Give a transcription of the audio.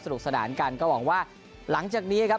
รุกสนานกันก็หวังว่าหลังจากนี้ครับ